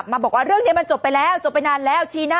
ปรากฏว่าสิ่งที่เกิดขึ้นคลิปนี้ฮะ